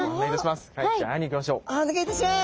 お願いいたします。